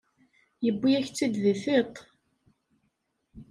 Yewwi-yak-tt-id di tiṭ.